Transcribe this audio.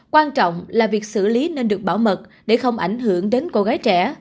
quan trọng là việc xử lý nên được bảo mật để không ảnh hưởng đến cô gái trẻ